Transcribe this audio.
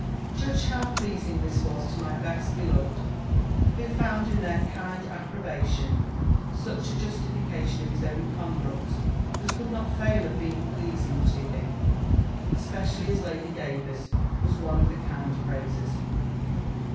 Judge how pleasing this was to my best beloved, who found, in their kind approbation, such a justification of his own conduct as could not fail of being pleasing to him, especially as Lady Davers was one of the kind praisers.